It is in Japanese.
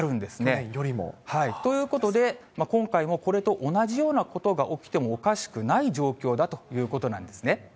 去年よりも？ということで、今回もこれと同じようなことが起きてもおかしくない状況だということなんですね。